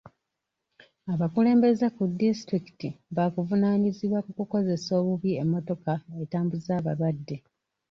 Abakulembeze ku disitulikiti baakuvunaanyizibwa ku kukozesa obubi emmotoka etambuza balwadde.